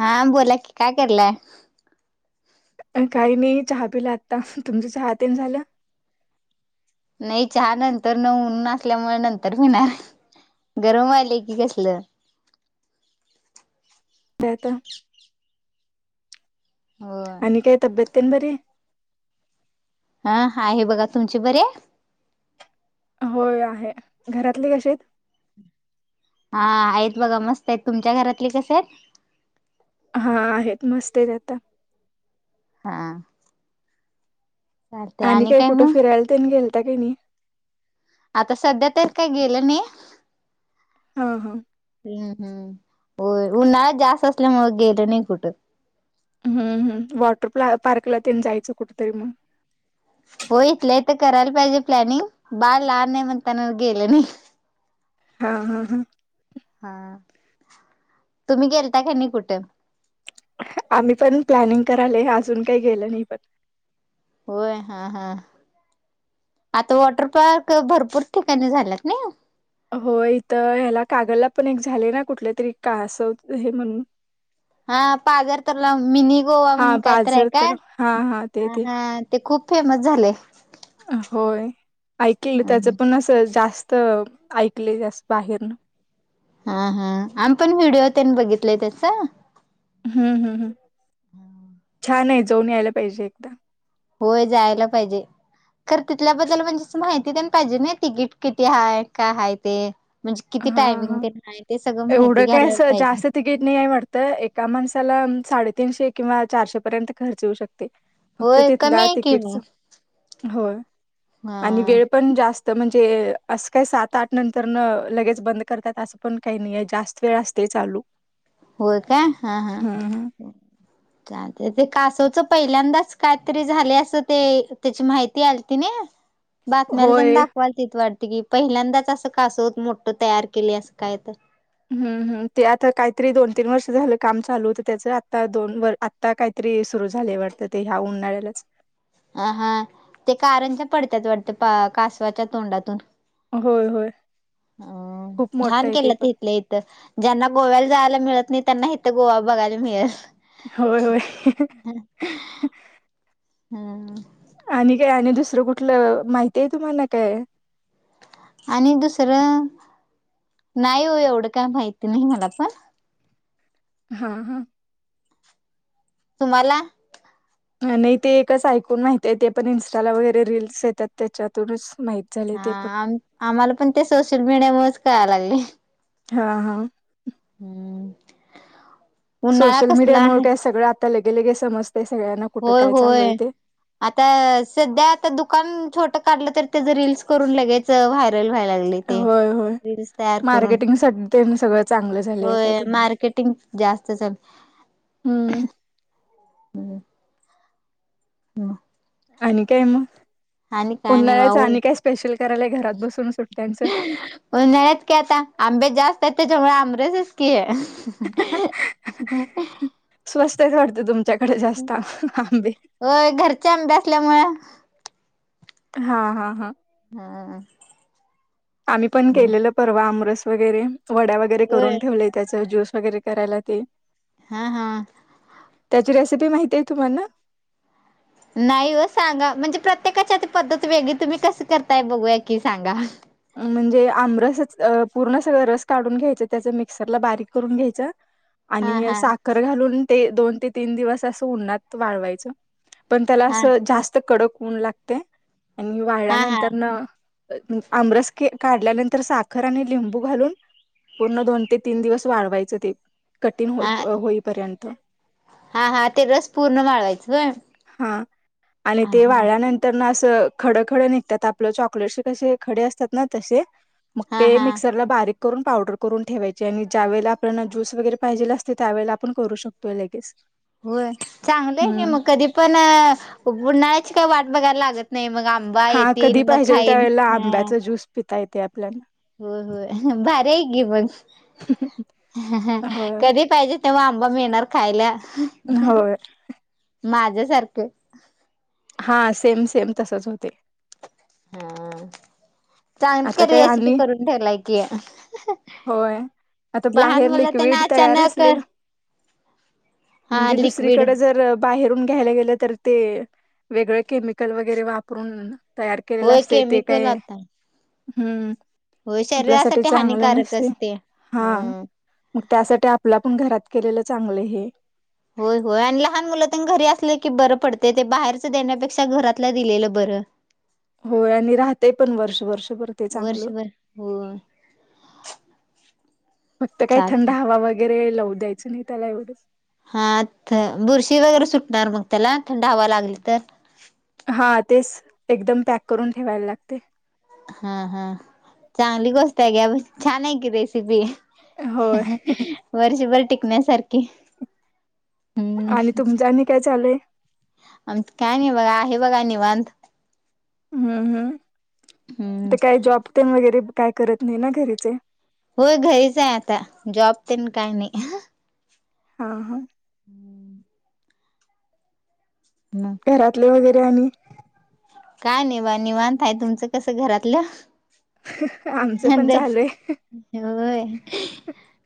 हा बोला की काय करलाय? काही नाही चहा पिला आता तुमचं चहा पेन झालं? नाही चहा नंतर न ऊन असल्यामुळे नंतर घेणार. गरम आले की कसलं. त्या तर. हो. तब्बेत बरी आहे? हं आहे बघा तुमची बरि आहे. होय आहे घरातले कसे आहेत. हा आहेत बघा मस्त आहेत तुमच्या घरातले कसे आहेत? हा आहेत मस्त आहेत आता. हा. चालते आणि काही काय कुठं मग फिरायला तेनी गेलता काही नाही. आता सध्या तर काय गेले नाही. हा हा. हम्म हम्म उन्हाळा जास्त असल्या मग गेले नाही कुठ. हम्म हम्म वॉटर पार पार्कला ते जायचं कुठ तरी मग. हो इथलं तर करायला पाहिजे प्लॅनिंग बाळ लहान आहे म्हणताना गेले नाही. हा हा हा. हा तुम्ही गेलता की नाही कुठ? आम्ही पण प्लॅनिंग करालय अजून काही गेल नाही पण. होय हा हा. आता वॉटर पार्क भरपूर ठिकाणी झालात ना. हो इथं ह्याला कागलला पण एक झाले ना कुठले तरी का असं हे म्हणून. हा पाजार तरला मिनी गोवा हा म्हणून काय तर हाय पाझर झालय हा हा का ते ह ते. हा ते खूप फेमस झालय. होय ऐकल त्याच पण अस जास्त. त ऐकले जास्त बाहेरन. हा हा आम पण व्हिडिओ तेन बघितलंय त्याचा. हम्म हम्म हम्म छान आहे जाऊन यायला पाहिजे एकदा. होय जायला पाहिजे. खर तिथल्याबद्दल म्हणजेच माहिती तेन पाहिजे नाही तिकीट किती हाय काय हाय ते. म्हणजे किती हा टायमिंग हा तेन हाय ते सगळं माहिती एवढं काय घ्यायला असं पाहिजे. जास्त तिकीट नाही आहे वाटत एका माणसाला साडेतीनशे किंवा चारशे पर्यंत खर्च येऊ शकतोय. फक्त होय कमी तिथल्या आहे की तिकीटच. मग होय आणि हा वेळ पण जास्त म्हणजे असं काय सात आठ नंतर न. लगेच बंद करत्यात असं पण काही नाही आहे जास्त वेळ असते चालू. होय काय हा हा हम्म हम्म चालतय ते कासवच पहिल्यांदाच काय तरी झाले अस ते त्याची माहिती आलती नाही. बातम्याला तेन होय दाखवाल तिथ वाटं कि पहिल्यांदाच असं कासव होत मोठठं तयार केले असं काय तर हुँहुँ ते आता काहीतरी दोन तीन वर्ष झालं काम चालूत त्याच आता दोन व आता काहीतरी रे सुरु झाले वाटत ते ह्या उन्हाळ्यालाच ह हा ते कारंज्या पडत्यात वाटत कासवाच्या तोंडातून होय होय. ह खूप मोठं छान आहे ते केलं त पण इथलं इथ ज्यांना गोव्याला जायला मिळत. त्यांना हेथ गोवा बघायला मिळेल. होय होय. हा आणि काय आणि दुसरं कुठलं माहिती आहे, तुम्हाला काय आणि दुसरं नाही हो एवढं काय माहिती नाही मला पण हा हा. तुम्हाला नाही ते एकच ऐकून माहती आहे. ते पण इन्स्टाला वगैरे रिल्स येतात त्याच्यातूनच माहित झाले हा ते पण आम आम्हाला पण ते सोशल मीडिया मुळच कळा लागलय. हा हा. हम्म. उन्हाळा सोशल कसला मीडियामुळे आहे काय सगळं आता लगे लगे समजत. होय होय आता सध्या आता दुकान छोट काढलं तर त्याच रील्स करून लगेयच व्हायरल व्हायला लागले ते, होय होय रील्स तयार करून मार्केटिंग साठी ते सगळं चांगलं झाले आता होय ते मार्केटिंग जास्त चाल हम्म. हम्म. हम. अणि काय मग आणि काय नाही बघा उन्हाळ्याचं ऊन आणि काय स्पेशल करायला घरात बसून सुट्ट्यांचं उन्हाळ्यात का आता आंबे जास्त आहेत त्याच्यामुळे आ अमरसच की हंह हंह स्वस्त आहेत वाटतं तुमच्याकडे जास्त आंबे हो घरच्या अंब्या असल्यामुळं हा हा हा. हा. आम्ही पण केलेलं परवा आमरस वगैरे वड्या वगैरे होय करून ठेवलेय त्याच ज्यूस वगैरे करायला ते हां हां. त्याची रेसिपी माहिती आहे तुम्हा़ना. नाही ओ, सांगा म्हणजे प्रत्येकाची आ पद्धत वेगळी तुम्ही कसं करताय बघूया की सांग? म्हणजे आमरसच पूर्ण सगळं रस काढून घ्यायच त्याच मिक्सरला बारीक करून घ्यायच. हा आणि हा साखर घालून ते दोन ते तीन दिवस असं उन्हात वाळवायचं. पण त्याला हा असं जास्त कडक ऊन लागतयं आणि वाळल्या हा हा नंतर न आमरस काढल्यानंतर साखर आणि लिंबू घालून पूर्ण दोन ते तीन दिवस वाढवायचं ते कठीण हा हा हो होईपर्यंत, हा हा ते रस पूर्ण वाळवायचं होय हा आणि हा ते हा वाळल्यानंतर व असं खड खड निघतात, आपलं चॉकलेट कसे खडे असतात ना तसे. मग हा ते हा मिक्सरला बारीक, करून पावडर करून ठेवायची, आणि ज्या वेळेला आपल्याला ज्यूस वगैरे पाहिजेल असते त्यावेळेला आपण करू शकतोय लगेच. होय चांगलंय की हम्म मग कधी पण बन्हाळ्याची काही वाट बघायला लागत नाही मग आंबा हा येतील, कधी मग पाहिजेल खाईन त्यावेेळेला हम. आंब्याचा ज्यूस पिता येते होय होय भारी आहे की, मग. आपल्याला होय कधी पाहिजे तेव्हा आंबा मिळणार खायला. होय. माझ्या सारखं हा सेम सेम तसचं होतयं. हा! चांगली कि आता काय रेसिपी आली करून ठेवलाय की. होय आता लहान बाहेर मुलं तेन लिक्विड तयार अचानक असलेलं हा म्हणजे लिक्विड दुसरीकडे जर, बाहेरून घ्यायला गेलं तर ते, वेगळं केमिकल वगैरे वापरून तयार केलेलं होय असतयं, ते केमिकल काय आता हम्म. होय आपल्यासाठी शरीरासाठी चांगलं हानिकारक नसतयं असते हा, हम्म मग त्यासाठी आप आपल आपून घरात केलेलं चांगलं हे. होय होय, आणि लहान मुलं तेन घरी असलं की बरं पडतयं ते बाहेरच देण्यापेक्षा घरातलं दिलेलं बर. त होय आणि राहते पण वर्ष वर्षभर ते चांगलं, वर्षभर हो [unintelligible] फक्त काही थंड चालते हवा वगैरे लावू द्यायचं नाही, त्याला एवढंच. हा बुरशी वगैरे सुटणार मग त्याला थंडावा लागली तर, हा तेच एकदम पॅक करून ठेवायला लागते. हा हा [unintelligible] छान! आहे, की रेसिपी होय वर्षभर टिक शण्यासारखे. आणि तुमच आणि काय चालय? आम काय नाही बघा आहे बघा निवांत. हम हम हम्म ते काय जॉब तेन वगैरे काय करत नाही ना, घरीचं आहे? होय, घरीच आहे आता जॉब तेन काय नाही. हा हा. हू म. मग घरातले वगैरे आणि काय नाहीवा निवांत आहे तुमचं कसं घरातलं. आमचं अ पण दे, चालूय ते होय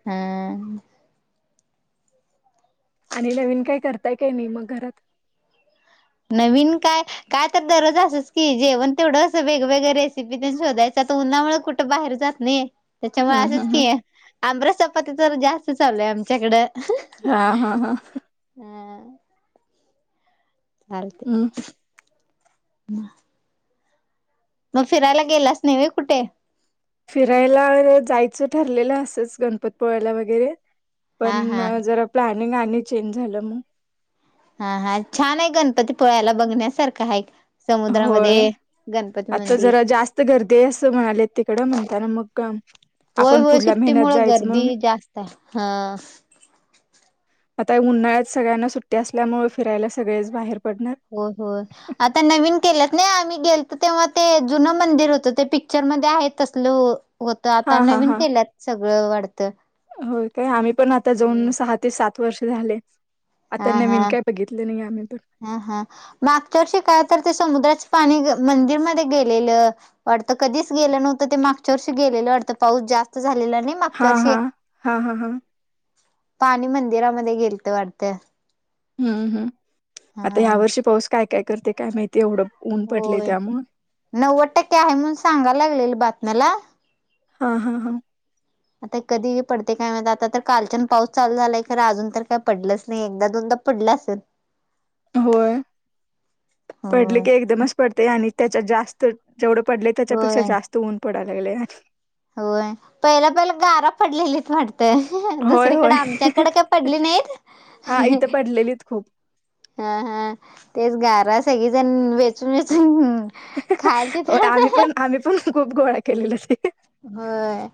हा. हम! आणि नवीन काही करताय काय नाही मग घरात. नवीन काय? काय तर दररोज असच की, जेवण तेवढं असं वेगवेगळं रेसिपी त्यां शोधायच. आता उन्हामुळे कुठं बाहेर जात नाही. त्यांच्यामुळे हम्म असंच हम्म की आहे हम्म आंबरस चपाती तर जास्त चालूय आमच्याकडं हा हा हा. हम. चालते हम्म ह. मग फिरायला गेलास नही ऊय कुठे. फिरायला जायचं ठरलेलं असंच गणपती पोळायला वगैरे हा पण हा जरा प्लॅनिंग आणि चेंज झालं मग हा हा छान आहे गणपती पोळ्याला बघण्यासारखा आहे. होय समुद्रामध्ये गणपती आता मंदिर जरा जास्त गर्दी आहे असं म्हणाले तिकडं म्हणताना मग होय आपण होय पुढल्या महिन्यात सुट्टीमुळे जायचं गर्दी म्हणून जास्त आहे हा आता उन्हाळ्यात सगळ्यांना सुट्टी असल्यामुळे फिरायला सगळेच बाहेर हो हो पडणार आता नवीन केलंत नाही आम्ही गेल तरो तेव्हा ते जुनं मंदिर होतं ते पिक्चर मध्ये आहे त असले. होत आता हा हा नवीन केल्यात सगळं वाढतं. हो काय आम्ही पण आता जाऊन हो. सहा ते सात वर्ष झाले आता हा नवीन हा. काय बघितले नाही आम्ही पण हा हा मागच्या वर्षी काय तर ते समुद्राचे पाणी मंदिरमध्येध्ये गेलेलं वाटतं कधीच गेलं नव्हतं ते मागच्या वर्षी गेलेलं पाऊस जास्त झालेला नाही हा मागच्या वर्षी हा हा हा हा पाणी मंदिरामध्ये गेलत वाढते हम्म हम् आता या वर्षी पाऊस काय काय करते काय माहिती एवढं ऊन हो पडले त्यामुळे नव्वद टक्के आहे म्हणून सांगा लागलेल बातम्याला हा हा हा आता कधी पडते काय म्हण आता तर कालच्यान पाऊस चालू झालाय कार अजून तर काय पडलंच नाही एकदा दोन क पडला असेल होय पडले होय. की एकदमच पडते आणि त्यांच्यात जास्त जेवढे पडले त्याच्यापेक्षा होय जास्त ऊन पडालागले आणि होय पहिला, पहिला बारा पडलेलीत वाट तर होय दुसरीकड होय आमच्याकडें काय पडली नाहीत. हा इथं पडलेलीत खूप [inaudible] हा हा तेच गारा सगळीजण वेचून, वेचून खायालतीत [inaudible] खुप गोळा केलेल ते.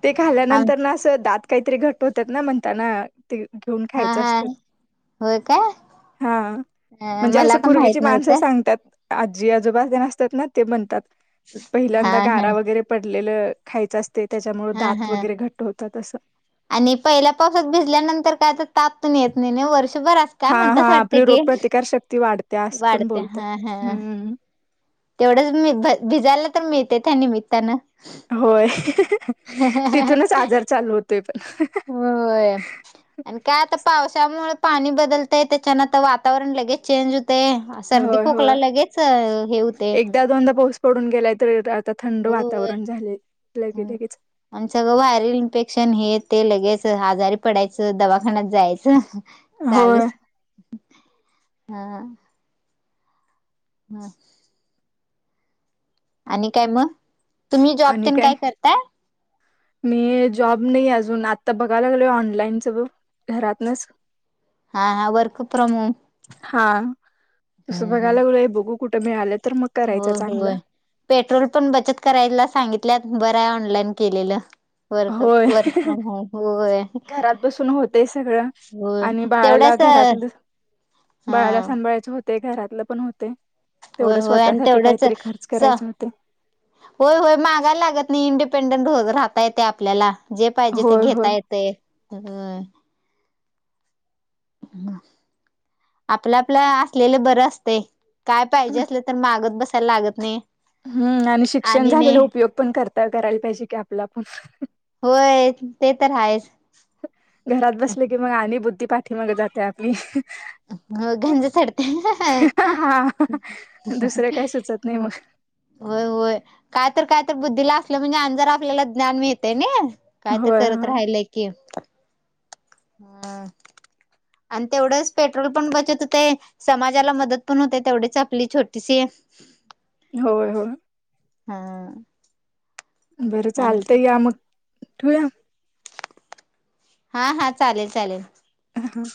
ते आम खाल्यानंतर अस दात काहीतरी घट होतात ना म्हणताना ते घेऊन हा खायचं हा असतात. होय काय [inaudible] हा अ म्हणजे मला असं का पूर्वीची माहित माणसं नव्हतं सांगतात. आजी, आजोबा तेन असतात ना ते म्हणतात हा पहिल्यांदा हा गारा वगैरे पडले ल खायच असती त्यामुळे हा दात हा वगैरे घट्ट होतात. आणि पहिल्या पावसात भिजल्यानंतर काय तर ताप येत नाही वर्षभरात. का हा हा म्हणतास वाटत आपली की रोगप्रतिकार शक्ती वाढते [inaudible] असं पण वाढते बोलतात. ह, ह. हम्म तेवढंच मी भ-भिजायला तर मिळते त्या निमित्तानं. होय तिथूनच आजार चालू होतोय. पण. होय, होयआणि काय आता पावसामुळ पाणी बदलतय त्याच्यान आता वातावरण लगेच चेंज हो होय, होय हे होते एकदा-दोनदा पाऊस पडून गेलाय तर आता थंड होय वातावरण झाले थंड. लगे-लगेच आणि सगळं व्हायरल इन्फेक्शन हे ते लगेच आजारी पडायचं दवाखान्यात जायचं. होय. चालूच हा. हा. आणि काय मग? तुम्ही जॉब आणि तेन काय करताय [inaudible] आणि जॉब नाही अजून आ आता बघायला लागलोयच ऑनलाईन ब घरातनच. हा हा वर्क फ्रॉम [inaudible] हा तस बघायलागलोय. कुठे मिळाल तर मग करायचं होय, चांगलं होय पेट्रोल पण बचत करायलाच सांगितल्यात बरंय ऑनलाईन केलेलं. वर्क होय वर्क फ्रॉम होम होय [inaudible] घरात बसून होतय सगळं. होय आणि बाळाला तेवढ्याच घरातलं बाळाला हा सांभाळायचं होते घरातलं पण होते. [inaudible] तेवढं स्वतःसाठी काहीतरी खर्च करायचे होते होय होय मागायला लागत नाही इंडिपेंडट हो राहता येते आपल्याला जे पाहिजे ते होय होय घेता येतय. होय ह आपल्या, आपल्या असलेल बर असते. काय पाहिजे असलं तर मागत बसायला लागत नाही. हम्म आणि शिक्षण झालेला उपयोग पण करता करायला पाहिजे की आपल आपूण. होय ते तर आहेच घरात बसले की मग आणि बुद्धी पाठी मग जाते आपली. हो गंज चडते. [inaudible] हा दुसरं काही सुचत नाही मग होय, होय काय तर काय तर बुद्धीला असल म्हणजे अनीजरा आपल्याला ज्ञान मिळतेय नी. कायतरी होय करत होय राहिलय की [inaudible] हा आणि तेवढंच पेट्रोल पण बचत होतय समाजाला मदत पण होतय तेवढीच आपली छोटीशी [inaudible] होय, होय. ह. [inaudible] बरं चालत या मग ठेवूया. [inaudible] हा हा चालेल, चालेल. अ ह.